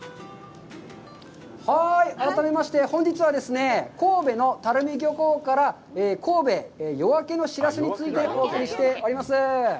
はい、改めまして、本日は神戸の垂水漁港から「神戸夜明けのしらす」についてお送りしております。